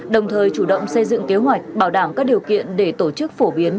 đồng thời chủ động xây dựng kế hoạch bảo đảm các điều kiện để tổ chức phổ biến